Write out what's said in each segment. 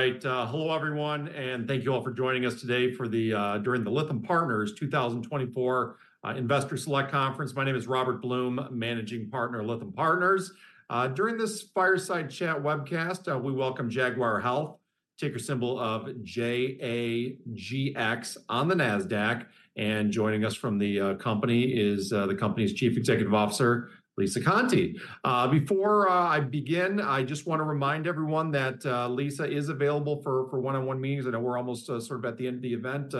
All right, hello, everyone, and thank you all for joining us today for the Lytham Partners 2024 Investor Select Conference. My name is Robert Blum, managing partner, Lytham Partners. During this fireside chat webcast, we welcome Jaguar Health, ticker symbol of JAGX on the Nasdaq, and joining us from the company is the company's Chief Executive Officer, Lisa Conte. Before I begin, I just want to remind everyone that Lisa is available for one-on-one meetings. I know we're almost sort of at the end of the event,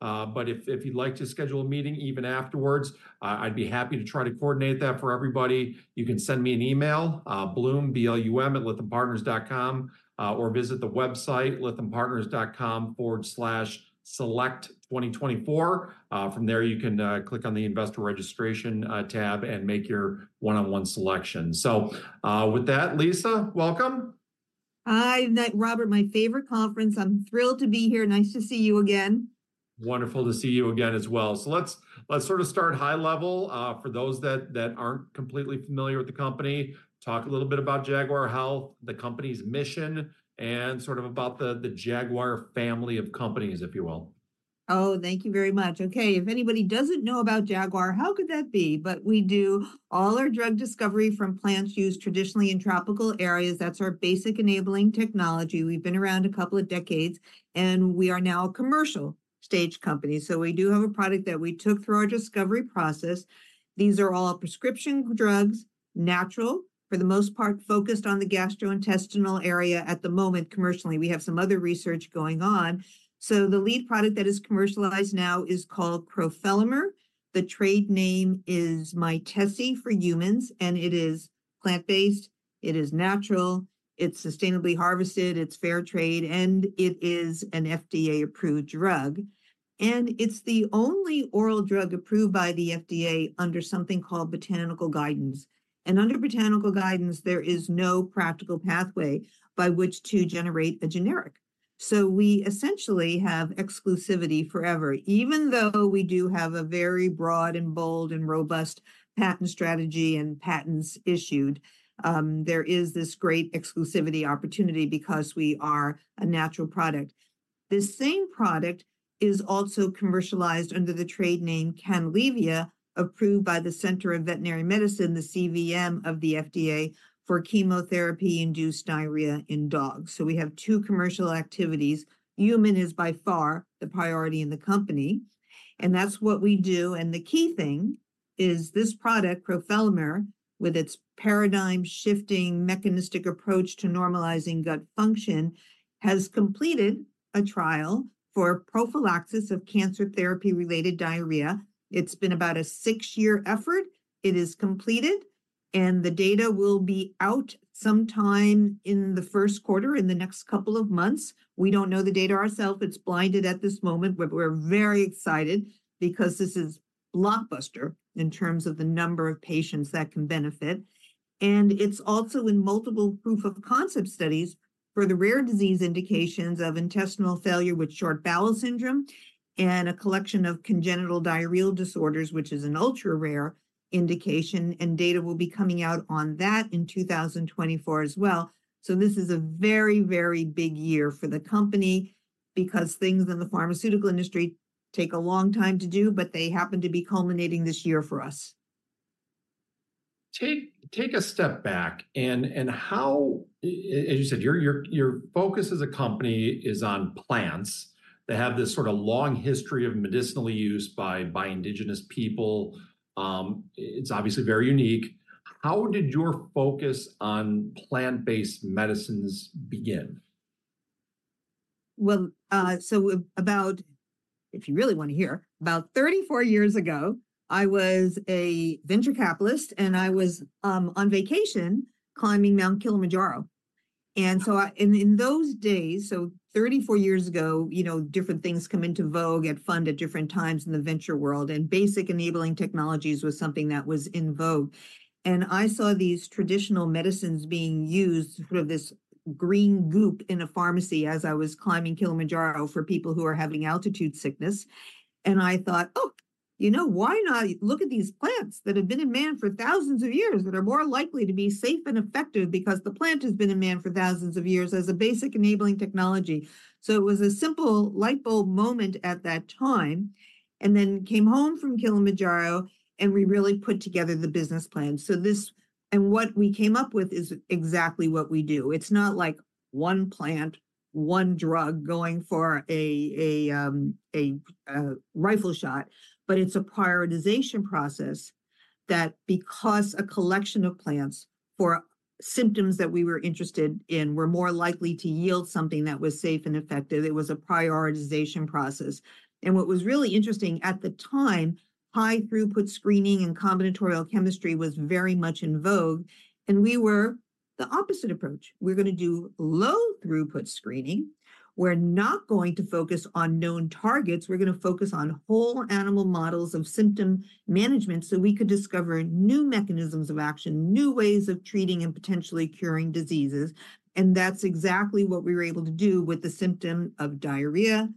but if you'd like to schedule a meeting, even afterwards, I'd be happy to try to coordinate that for everybody. You can send me an email, blum, B-L-U-M, @lythampartners.com, or visit the website lythampartners.com/select2024. From there, you can click on the Investor Registration tab and make your one-on-one selection. So, with that, Lisa, welcome. Hi, Robert, my favorite conference. I'm thrilled to be here. Nice to see you again. Wonderful to see you again as well. So let's sort of start high level, for those that aren't completely familiar with the company, talk a little bit about Jaguar Health, the company's mission, and sort of about the Jaguar family of companies, if you will. Oh, thank you very much. Okay, if anybody doesn't know about Jaguar, how could that be? But we do all our drug discovery from plants used traditionally in tropical areas. That's our basic enabling technology. We've been around a couple of decades, and we are now a commercial stage company. So we do have a product that we took through our discovery process. These are all prescription drugs, natural, for the most part, focused on the gastrointestinal area at the moment, commercially. We have some other research going on. So the lead product that is commercialized now is called crofelemer. The trade name is Mytesi for humans, and it is plant-based, it is natural, it's sustainably harvested, it's fair trade, and it is an FDA-approved drug. And it's the only oral drug approved by the FDA under something called botanical guidance. Under botanical guidance, there is no practical pathway by which to generate a generic. So we essentially have exclusivity forever. Even though we do have a very broad and bold and robust patent strategy and patents issued, there is this great exclusivity opportunity because we are a natural product. This same product is also commercialized under the trade name Canalevia, approved by the Center for Veterinary Medicine, the CVM of the FDA, for chemotherapy-induced diarrhea in dogs. So we have two commercial activities. Human is by far the priority in the company, and that's what we do, and the key thing is this product, crofelemer, with its paradigm-shifting, mechanistic approach to normalizing gut function, has completed a trial for prophylaxis of Cancer Therapy-Related Diarrhea. It's been about a six-year effort. It is completed, and the data will be out sometime in the first quarter, in the next couple of months. We don't know the data ourselves. It's blinded at this moment, but we're very excited because this is blockbuster in terms of the number of patients that can benefit. And it's also in multiple proof of concept studies for the rare disease indications of intestinal failure with short bowel syndrome, and a collection of congenital diarrheal disorders, which is an ultra-rare indication, and data will be coming out on that in 2024 as well. So this is a very, very big year for the company because things in the pharmaceutical industry take a long time to do, but they happen to be culminating this year for us. Take a step back, and how—as you said, your focus as a company is on plants that have this sort of long history of medicinal use by indigenous people. It's obviously very unique. How did your focus on plant-based medicines begin? Well, so about, if you really want to hear, about 34 years ago, I was a venture capitalist, and I was on vacation, climbing Mount Kilimanjaro. And so I, and in those days, so 34 years ago, you know, different things come into vogue, get funded at different times in the venture world, and basic enabling technologies was something that was in vogue. And I saw these traditional medicines being used, sort of this green goop in a pharmacy as I was climbing Kilimanjaro, for people who are having altitude sickness. I thought, "Oh, you know, why not look at these plants that have been in man for thousands of years, that are more likely to be safe and effective because the plant has been in man for thousands of years as a basic enabling technology?" So it was a simple light bulb moment at that time, and then came home from Kilimanjaro, and we really put together the business plan. So this, and what we came up with is exactly what we do. It's not like one plant, one drug going for a rifle shot, but it's a prioritization process that because a collection of plants for symptoms that we were interested in were more likely to yield something that was safe and effective, it was a prioritization process. And what was really interesting at the time, high-throughput screening and combinatorial chemistry was very much in vogue, and we were the opposite approach. We're going to do low-throughput screening. We're not going to focus on known targets. We're going to focus on whole animal models of symptom management, so we could discover new mechanisms of action, new ways of treating and potentially curing diseases. And that's exactly what we were able to do with the symptom of diarrhea....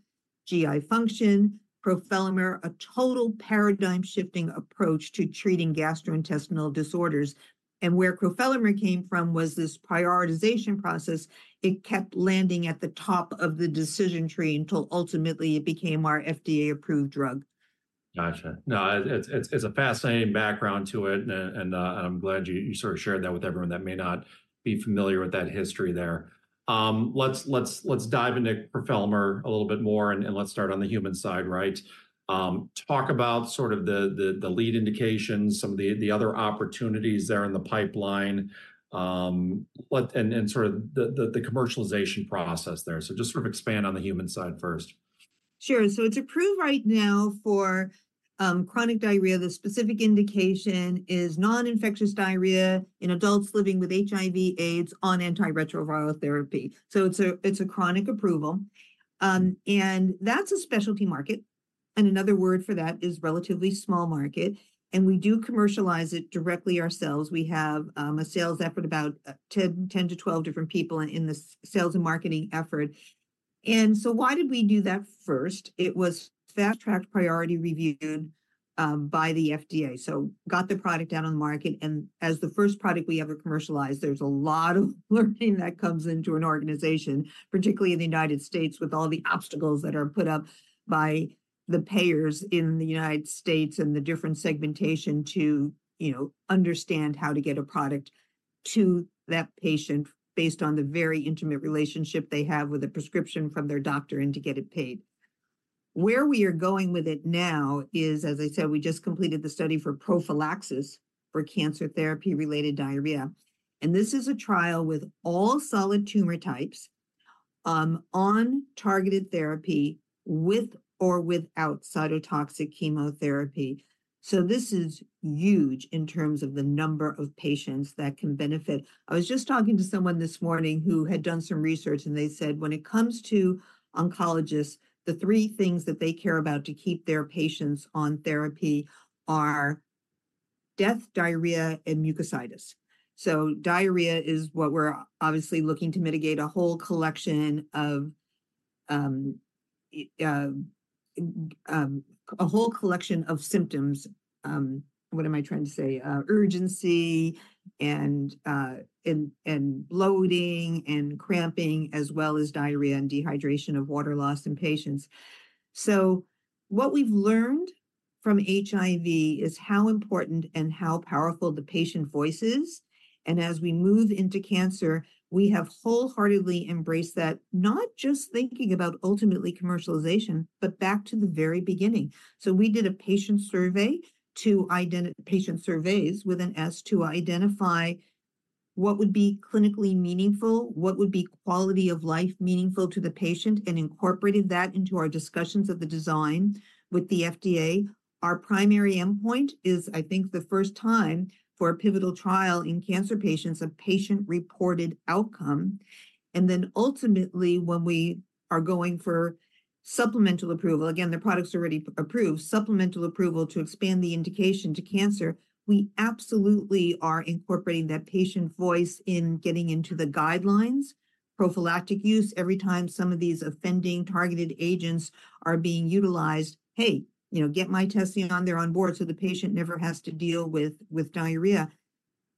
GI function, crofelemer, a total paradigm-shifting approach to treating gastrointestinal disorders. And where crofelemer came from was this prioritization process. It kept landing at the top of the decision tree until ultimately it became our FDA-approved drug. Gotcha. No, it's a fascinating background to it, and I'm glad you sort of shared that with everyone that may not be familiar with that history there. Let's dive into crofelemer a little bit more, and let's start on the human side, right? Talk about sort of the lead indications, some of the other opportunities there in the pipeline, and then sort of the commercialization process there. So just sort of expand on the human side first. Sure. So it's approved right now for chronic diarrhea. The specific indication is non-infectious diarrhea in adults living with HIV, AIDS, on antiretroviral therapy. So it's a chronic approval, and that's a specialty market, and another word for that is relatively small market, and we do commercialize it directly ourselves. We have a sales effort, about 10-12 different people in the sales and marketing effort. And so why did we do that first? It was fast-tracked priority review by the FDA. So got the product out on the market, and as the first product we ever commercialized, there's a lot of learning that comes into an organization, particularly in the United States, with all the obstacles that are put up by the payers in the United States and the different segmentation to, you know, understand how to get a product to that patient based on the very intimate relationship they have with a prescription from their doctor and to get it paid. Where we are going with it now is, as I said, we just completed the study for prophylaxis for Cancer Therapy-Related Diarrhea, and this is a trial with all solid tumor types, on targeted therapy, with or without cytotoxic chemotherapy. So this is huge in terms of the number of patients that can benefit. I was just talking to someone this morning who had done some research, and they said when it comes to oncologists, the three things that they care about to keep their patients on therapy are death, diarrhea, and mucositis. So diarrhea is what we're obviously looking to mitigate, a whole collection of symptoms. What am I trying to say? Urgency and bloating and cramping, as well as diarrhea and dehydration of water loss in patients. So what we've learned from HIV is how important and how powerful the patient voice is, and as we move into cancer, we have wholeheartedly embraced that, not just thinking about ultimately commercialization, but back to the very beginning. So we did patient surveys, with an S, to identify what would be clinically meaningful, what would be quality of life meaningful to the patient, and incorporated that into our discussions of the design with the FDA. Our primary endpoint is, I think, the first time for a pivotal trial in cancer patients, a patient-reported outcome. And then ultimately, when we are going for supplemental approval, again, the product's already approved, supplemental approval to expand the indication to cancer, we absolutely are incorporating that patient voice in getting into the guidelines. Prophylactic use, every time some of these offending targeted agents are being utilized, "Hey, you know, get Mytesi on board," so the patient never has to deal with diarrhea.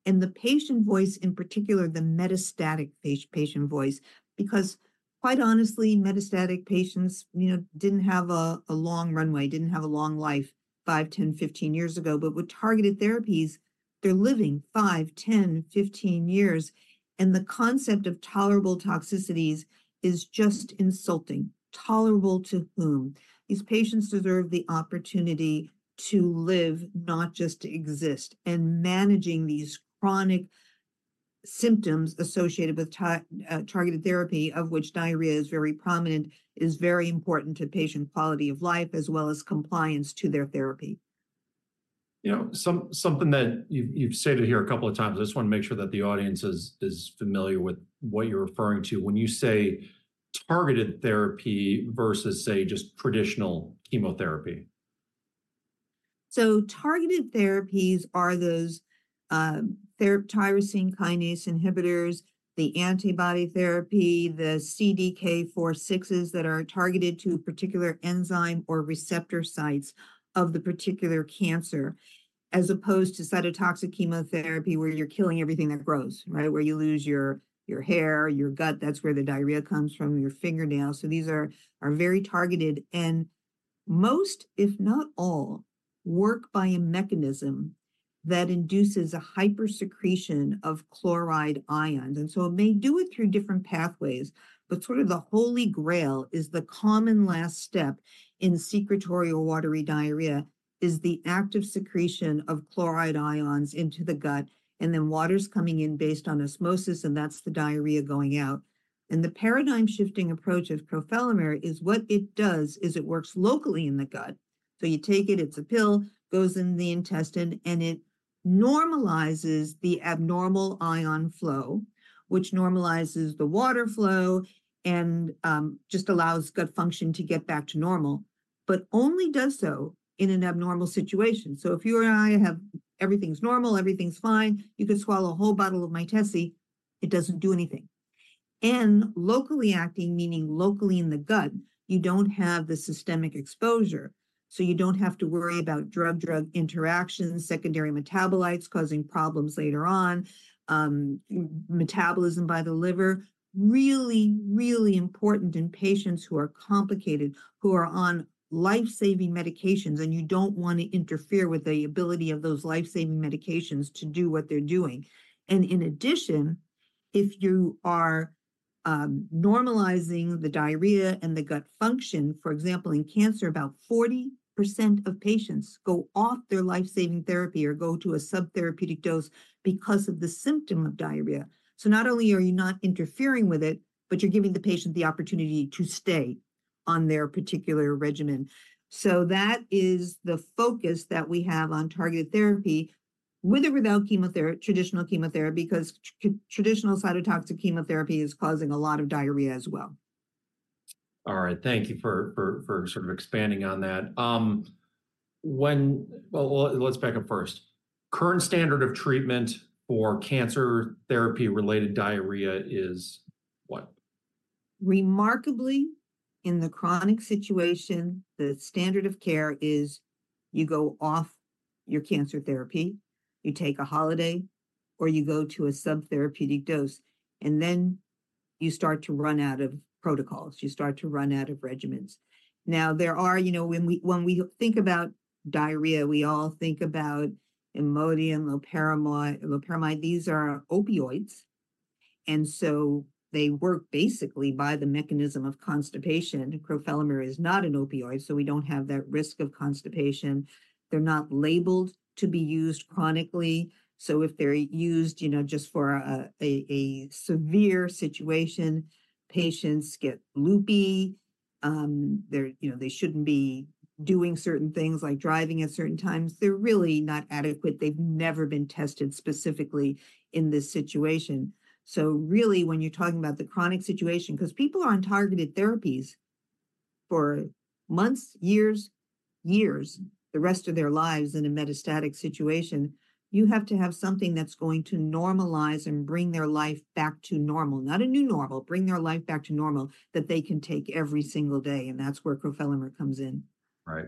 The patient voice, in particular, the metastatic patient voice, because quite honestly, metastatic patients, you know, didn't have a long runway, didn't have a long life five, 10, 15 years ago. But with targeted therapies, they're living five, 10, 15 years, and the concept of tolerable toxicities is just insulting. Tolerable to whom? These patients deserve the opportunity to live, not just to exist, and managing these chronic symptoms associated with targeted therapy, of which diarrhea is very prominent, is very important to patient quality of life, as well as compliance to their therapy. You know, something that you've stated here a couple of times, I just want to make sure that the audience is familiar with what you're referring to when you say targeted therapy versus, say, just traditional chemotherapy. So targeted therapies are those, tyrosine kinase inhibitors, the antibody therapy, the CDK4/6s that are targeted to a particular enzyme or receptor sites of the particular cancer, as opposed to cytotoxic chemotherapy, where you're killing everything that grows, right? Where you lose your hair, your gut, that's where the diarrhea comes from, your fingernails. So these are very targeted, and most, if not all, work by a mechanism that induces a hypersecretion of chloride ions. And so it may do it through different pathways, but sort of the holy grail is the common last step in secretory or watery diarrhea, is the active secretion of chloride ions into the gut, and then water's coming in based on osmosis, and that's the diarrhea going out. And the paradigm-shifting approach of crofelemer is, what it does is it works locally in the gut. So you take it, it's a pill, goes in the intestine, and it normalizes the abnormal ion flow, which normalizes the water flow and just allows gut function to get back to normal, but only does so in an abnormal situation. So if you and I have everything's normal, everything's fine, you can swallow a whole bottle of Mytesi it doesn't do anything. And locally acting, meaning locally in the gut, you don't have the systemic exposure, so you don't have to worry about drug-drug interactions, secondary metabolites causing problems later on, metabolism by the liver. Really, really important in patients who are complicated, who are on life-saving medications, and you don't want to interfere with the ability of those life-saving medications to do what they're doing. In addition, if you are normalizing the diarrhea and the gut function, for example, in cancer, about 40% of patients go off their life-saving therapy or go to a subtherapeutic dose because of the symptom of diarrhea. So not only are you not interfering with it, but you're giving the patient the opportunity to stay on their particular regimen. So that is the focus that we have on targeted therapy, with or without chemotherapy, traditional chemotherapy, because traditional cytotoxic chemotherapy is causing a lot of diarrhea as well. All right. Thank you for sort of expanding on that. Well, let's back up first. Current standard of treatment for Cancer Therapy-Related Diarrhea is what? Remarkably, in the chronic situation, the standard of care is you go off your cancer therapy, you take a holiday, or you go to a subtherapeutic dose, and then you start to run out of protocols. You start to run out of regimens. Now, there are, you know, when we think about diarrhea, we all think about Imodium, loperamide, loperamide. These are opioids, and so they work basically by the mechanism of constipation, and crofelemer is not an opioid, so we don't have that risk of constipation. They're not labeled to be used chronically, so if they're used, you know, just for a severe situation, patients get loopy. They're, you know, they shouldn't be doing certain things like driving at certain times. They're really not adequate. They've never been tested specifically in this situation. So really, when you're talking about the chronic situation, because people are on targeted therapies for months, years, years, the rest of their lives in a metastatic situation, you have to have something that's going to normalize and bring their life back to normal. Not a new normal, bring their life back to normal, that they can take every single day, and that's where crofelemer comes in. Right.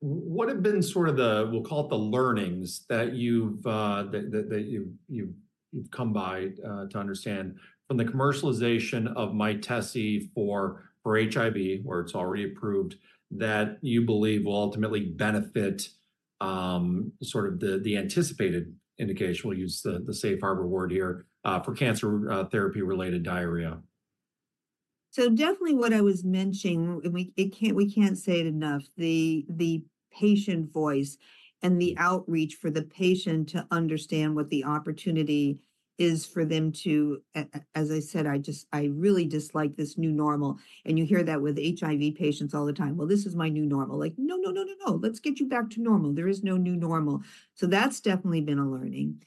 What have been sort of the, we'll call it the learnings, that you've come by to understand from the commercialization of Mytesi for HIV, where it's already approved, that you believe will ultimately benefit sort of the anticipated indication, we'll use the safe harbor word here for Cancer Therapy-Related Diarrhea? So definitely what I was mentioning, and we can't say it enough, the patient voice and the outreach for the patient to understand what the opportunity is for them to, as I said, I really dislike this new normal, and you hear that with HIV patients all the time. "Well, this is my new normal." Like, "No, no, no, no, no. Let's get you back to normal. There is no new normal." So that's definitely been a learning.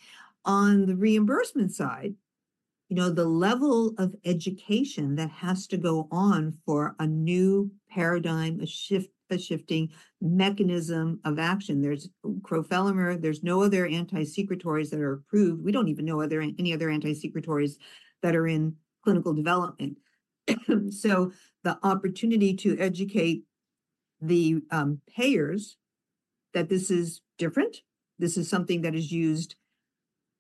On the reimbursement side, you know, the level of education that has to go on for a new paradigm, a shift, a shifting mechanism of action, there's crofelemer, there's no other anti-secretories that are approved. We don't even know any other anti-secretories that are in clinical development. So the opportunity to educate the payers that this is different, this is something that is used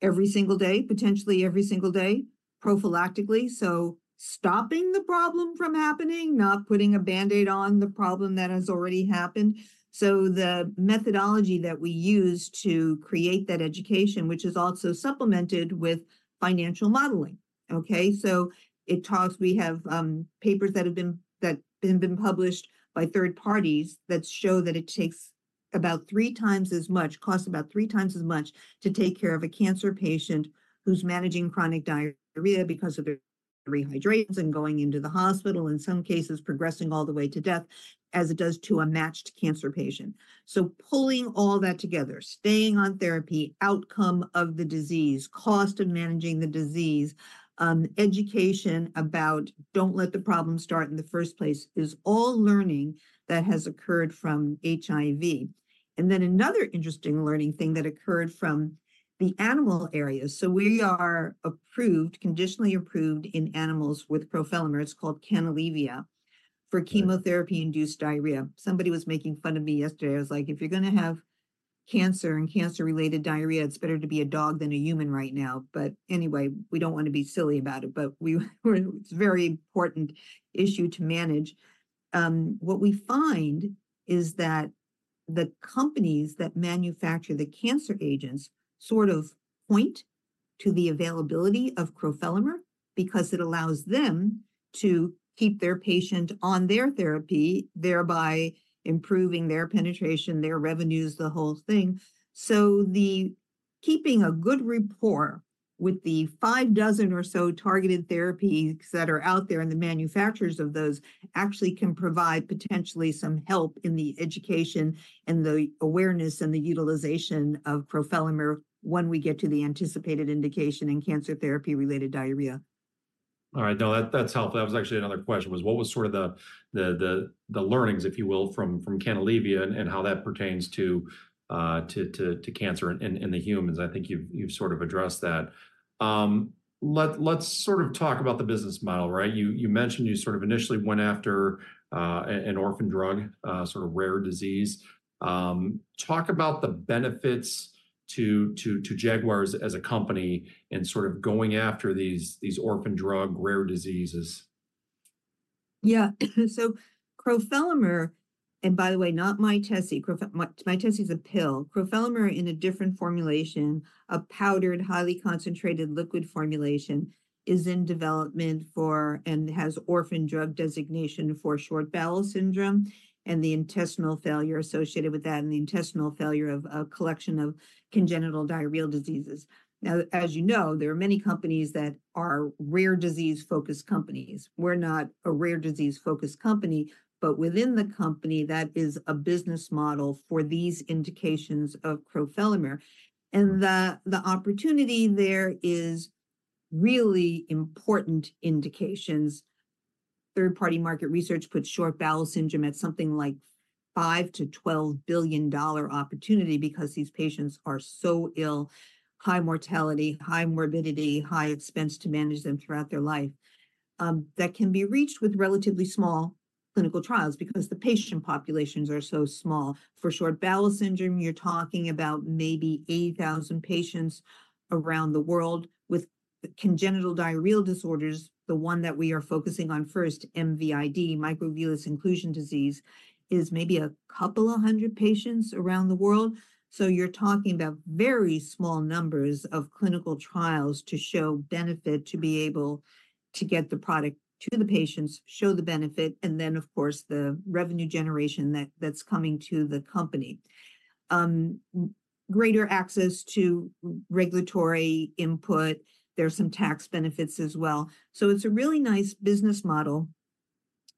every single day, potentially every single day, prophylactically. So stopping the problem from happening, not putting a Band-Aid on the problem that has already happened. So the methodology that we use to create that education, which is also supplemented with financial modeling, okay? So it talks, we have papers that have been published by third parties that show that it takes about three times as much, costs about three times as much, to take care of a cancer patient who's managing chronic diarrhea because of their rehydrations and going into the hospital, in some cases progressing all the way to death, as it does to a matched cancer patient. So pulling all that together, staying on therapy, outcome of the disease, cost of managing the disease, education about "don't let the problem start in the first place," is all learning that has occurred from HIV. And then another interesting learning thing that occurred from the animal area, so we are approved, conditionally approved, in animals with crofelemer. It's called Canalevia- Right For chemotherapy-induced diarrhea. Somebody was making fun of me yesterday. I was like, "If you're going to have cancer and cancer-related diarrhea, it's better to be a dog than a human right now." But anyway, we don't want to be silly about it, but it's a very important issue to manage. What we find is that the companies that manufacture the cancer agents sort of point to the availability of crofelemer because it allows them to keep their patient on their therapy, thereby improving their penetration, their revenues, the whole thing. So the keeping a good rapport with the five dozen or so targeted therapies that are out there, and the manufacturers of those, actually can provide potentially some help in the education and the awareness and the utilization of crofelemer when we get to the anticipated indication in Cancer Therapy-Related Diarrhea. All right, no, that's helpful. That was actually another question, what was sort of the learnings, if you will, from Canalevia and how that pertains to cancer in the humans? I think you've sort of addressed that. Let's sort of talk about the business model, right? You mentioned you sort of initially went after an orphan drug sort of rare disease. Talk about the benefits to Jaguar as a company in sort of going after these orphan drug rare diseases. Yeah. So crofelemer, and by the way, not Mytesi, crofelemer, Mytesi is a pill. Crofelemer, in a different formulation, a powdered, highly concentrated liquid formulation, is in development for, and has orphan drug designation for short bowel syndrome, and the intestinal failure associated with that, and the intestinal failure of a collection of congenital diarrheal diseases. Now, as you know, there are many companies that are rare disease-focused companies. We're not a rare disease-focused company, but within the company, that is a business model for these indications of crofelemer. And the, the opportunity there is really important indications. Third-party market research puts short bowel syndrome at something like $5 billion-$12 billion opportunity because these patients are so ill, high mortality, high morbidity, high expense to manage them throughout their life. That can be reached with relatively small clinical trials because the patient populations are so small. For short bowel syndrome, you're talking about maybe 80,000 patients around the world. With congenital diarrheal disorders, the one that we are focusing on first, MVID, microvillus inclusion disease, is maybe a couple of hundred patients around the world. So you're talking about very small numbers of clinical trials to show benefit, to be able to get the product to the patients, show the benefit, and then, of course, the revenue generation that's coming to the company. With greater access to regulatory input. There's some tax benefits as well. So it's a really nice business model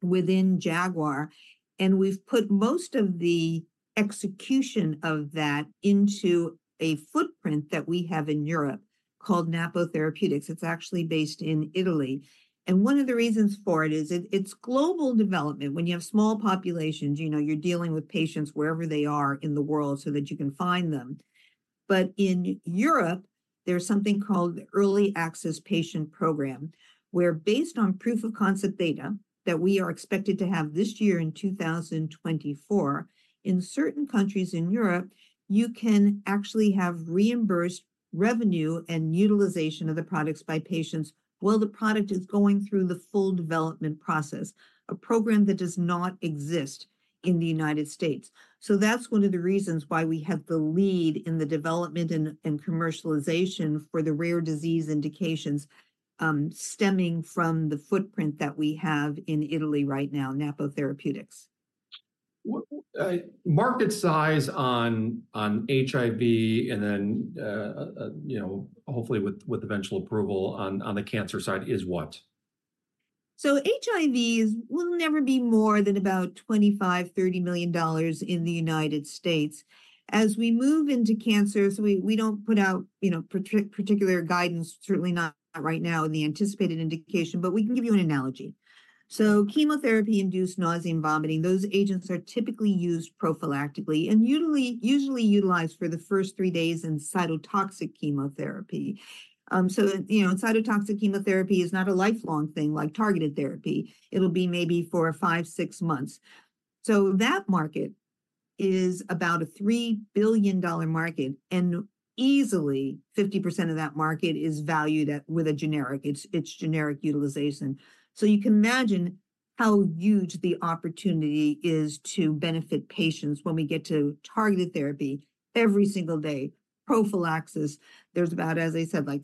within Jaguar, and we've put most of the execution of that into a footprint that we have in Europe called Napo Therapeutics. It's actually based in Italy. And one of the reasons for it is, it's global development. When you have small populations, you know, you're dealing with patients wherever they are in the world so that you can find them. But in Europe, there's something called the Early Access Patient Program, where based on proof of concept data, that we are expected to have this year in 2024, in certain countries in Europe, you can actually have reimbursed revenue and utilization of the products by patients while the product is going through the full development process, a program that does not exist in the United States. So that's one of the reasons why we have the lead in the development and commercialization for the rare disease indications, stemming from the footprint that we have in Italy right now, Napo Therapeutics. What market size on HIV and then, you know, hopefully with eventual approval on the cancer side is what? So HIV is, will never be more than about $25-$30 million in the United States. As we move into cancers, we don't put out, you know, particular guidance, certainly not right now in the anticipated indication, but we can give you an analogy. So chemotherapy-induced nausea and vomiting, those agents are typically used prophylactically, and usually utilized for the first 3 days in cytotoxic chemotherapy. So, you know, cytotoxic chemotherapy is not a lifelong thing like targeted therapy. It'll be maybe for five to six months. So that market is about a $3 billion market, and easily, 50% of that market is valued at, with a generic. It's generic utilization. So you can imagine how huge the opportunity is to benefit patients when we get to targeted therapy every single day. Prophylaxis, there's about, as I said, like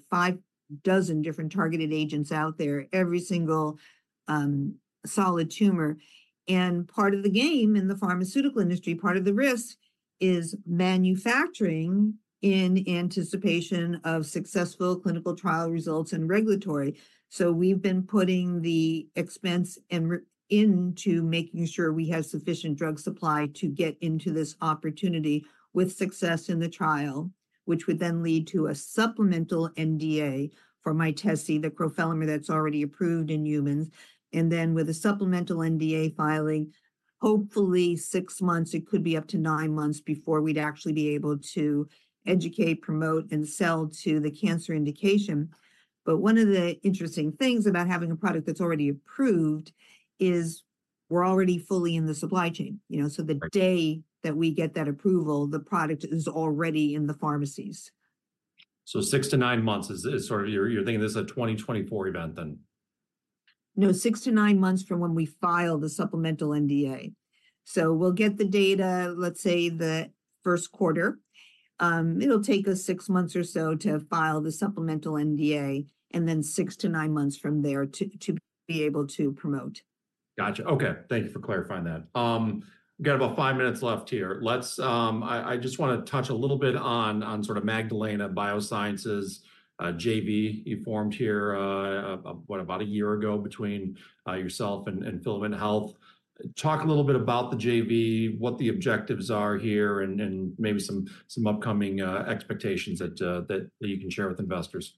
60 different targeted agents out there, every single solid tumor. And part of the game in the pharmaceutical industry, part of the risk, is manufacturing in anticipation of successful clinical trial results and regulatory. So we've been putting the expense and into making sure we have sufficient drug supply to get into this opportunity with success in the trial, which would then lead to a supplemental NDA for Mytesi, the crofelemer that's already approved in humans. And then with a supplemental NDA filing, hopefully six months, it could be up to nine months before we'd actually be able to educate, promote, and sell to the cancer indication. But one of the interesting things about having a product that's already approved is we're already fully in the supply chain. You know, so the day- Right That we get that approval, the product is already in the pharmacies. So six to nine months is sort of... You're thinking this is a 2024 event, then? No, six to nine months from when we file the supplemental NDA. So we'll get the data, let's say, the first quarter. It'll take us six months or so to file the supplemental NDA, and then six to nine months from there to be able to promote. Gotcha. Okay, thank you for clarifying that. We've got about five minutes left here. Let's, I just wanna touch a little bit on, on sort of Magdalena Biosciences, JV you formed here, about a year ago, between yourself and Filament Health. Talk a little bit about the JV, what the objectives are here, and maybe some upcoming expectations that you can share with investors.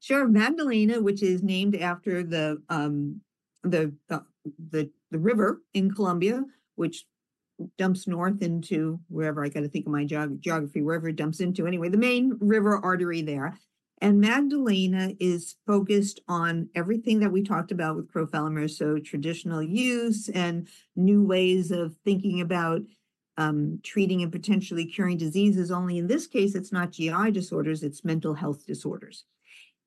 Sure. Magdalena, which is named after the river in Colombia, which dumps north into wherever, I got to think of my geography, wherever it dumps into. Anyway, the main river artery there. And Magdalena is focused on everything that we talked about with crofelemer, so traditional use and new ways of thinking about treating and potentially curing diseases. Only in this case, it's not GI disorders, it's mental health disorders.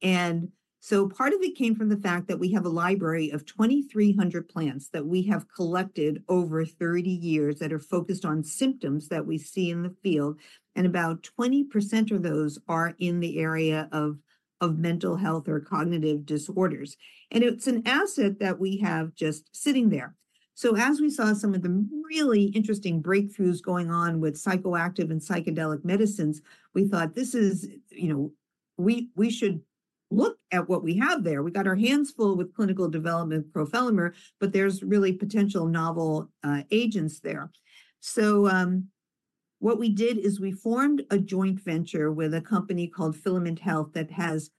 And so part of it came from the fact that we have a library of 2,300 plants that we have collected over 30 years that are focused on symptoms that we see in the field, and about 20% of those are in the area of mental health or cognitive disorders. And it's an asset that we have just sitting there. So as we saw some of the really interesting breakthroughs going on with psychoactive and psychedelic medicines, we thought, this is, you know, we should look at what we have there. We got our hands full with clinical development crofelemer, but there's really potential novel agents there. So, what we did is we formed a joint venture with a company called Filament Health that has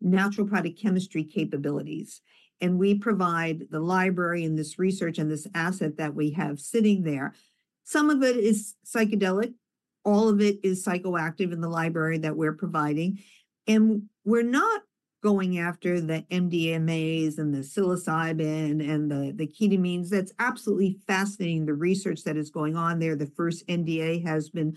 natural product chemistry capabilities, and we provide the library and this research and this asset that we have sitting there. Some of it is psychedelic, all of it is psychoactive in the library that we're providing. And we're not going after the MDMAs and the psilocybin and the ketamines. That's absolutely fascinating, the research that is going on there. The first NDA has been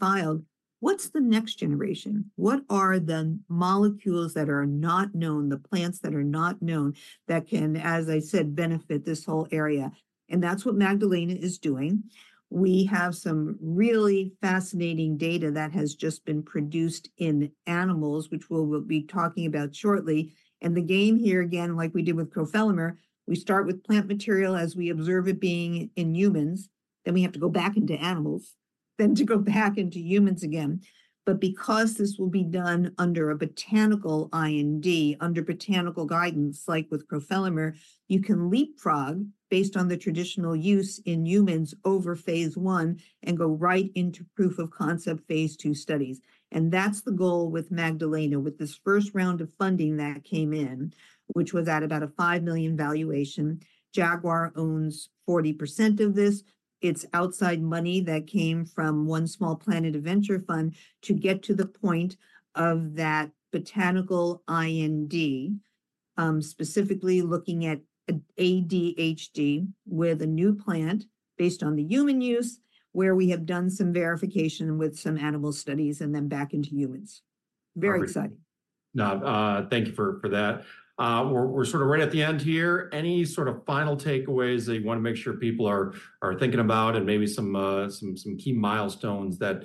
filed. What's the next generation? What are the molecules that are not known, the plants that are not known, that can, as I said, benefit this whole area? That's what Magdalena is doing. We have some really fascinating data that has just been produced in animals, which we'll, we'll be talking about shortly. The game here, again, like we did with crofelemer, we start with plant material as we observe it being in humans, then we have to go back into animals, then to go back into humans again. But because this will be done under a botanical IND, under botanical guidance, like with crofelemer, you can leapfrog based on the traditional use in humans over phase I and go right into proof of concept phase II studies. That's the goal with Magdalena. With this first round of funding that came in, which was at about a $5 million valuation, Jaguar owns 40% of this. It's outside money that came from One Small Planet, a venture fund, to get to the point of that botanical IND, specifically looking at ADHD with a new plant based on the human use, where we have done some verification with some animal studies and then back into humans. Very exciting. Now, thank you for that. We're sort of right at the end here. Any sort of final takeaways that you want to make sure people are thinking about and maybe some key milestones that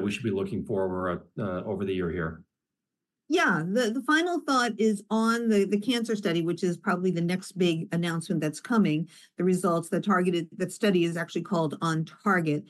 we should be looking for over the year here? Yeah. The final thought is on the cancer study, which is probably the next big announcement that's coming, the results, the targeted... That study is actually called OnTarget.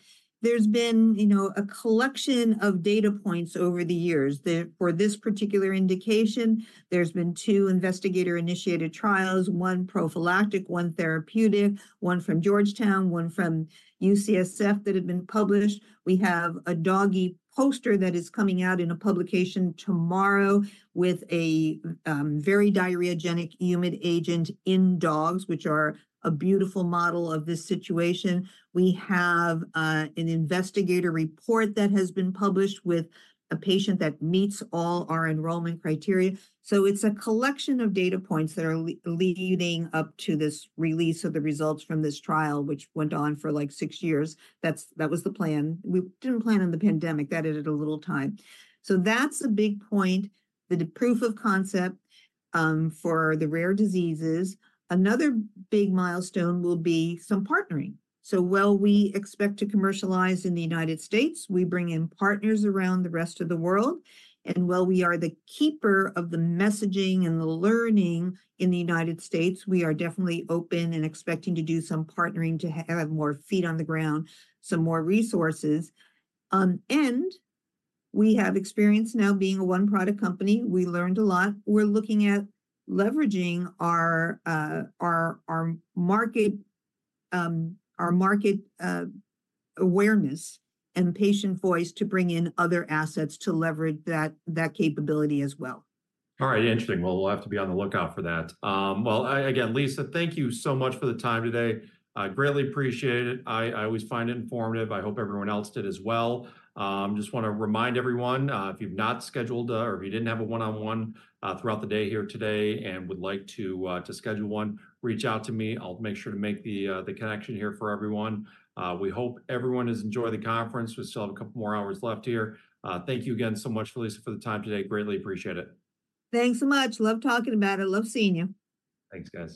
There's been, you know, a collection of data points over the years. For this particular indication, there's been two investigator-initiated trials, one prophylactic, one therapeutic, one from Georgetown, one from UCSF, that have been published. We have a doggy poster that is coming out in a publication tomorrow with a very diarrheagenic human agent in dogs, which are a beautiful model of this situation. We have an investigator report that has been published with a patient that meets all our enrollment criteria. So it's a collection of data points that are leading up to this release of the results from this trial, which went on for, like, six years. That's, that was the plan. We didn't plan on the pandemic. That added a little time. So that's a big point, the proof of concept, for the rare diseases. Another big milestone will be some partnering. So while we expect to commercialize in the United States, we bring in partners around the rest of the world, and while we are the keeper of the messaging and the learning in the United States, we are definitely open and expecting to do some partnering to have more feet on the ground, some more resources. We have experience now being a one-product company. We learned a lot. We're looking at leveraging our market awareness and patient voice to bring in other assets to leverage that capability as well. All right. Interesting. Well, we'll have to be on the lookout for that. Well, again, Lisa, thank you so much for the time today. I greatly appreciate it. I always find it informative. I hope everyone else did as well. Just want to remind everyone, if you've not scheduled, or if you didn't have a one-on-one throughout the day here today and would like to schedule one, reach out to me. I'll make sure to make the connection here for everyone. We hope everyone has enjoyed the conference. We still have a couple more hours left here. Thank you again so much, Lisa, for the time today. Greatly appreciate it. Thanks so much. Love talking about it. Love seeing you. Thanks, guys.